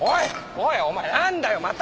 おいお前何だよまた！